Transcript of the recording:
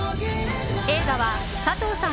映画は佐藤さん